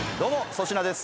粗品です。